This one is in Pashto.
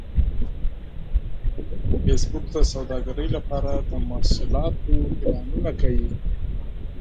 فېسبوک د سوداګرۍ لپاره د محصولاتو اعلانونه کوي